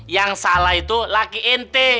yang salah itu laki ente